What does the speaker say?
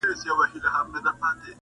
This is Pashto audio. کي ځانګړی ليکوال دی-